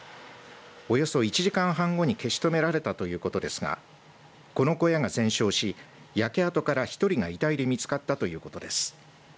およそ１時間半後に消し止められたということですがこの小屋が全焼し、焼け跡から１人が遺体で見つかったということです。